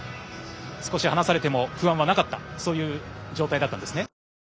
少し離されても不安はなかった状態だったんですね。